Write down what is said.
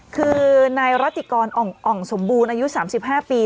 คือในราติกรอ่องสมบูรณ์อายุ๓๕ปี